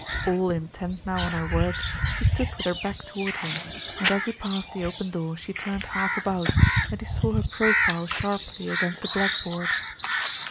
All intent now on her work, she stood with her back toward him, and as he passed the open door she turned half about, and he saw her profile sharply against the blackboard.